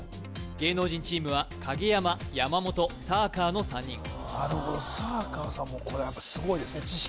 芸能人チームは影山山本サーカーの３人あのサーカーさんもこれはやっぱすごいですね